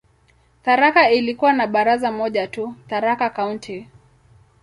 Tharaka ilikuwa na baraza moja tu, "Tharaka County".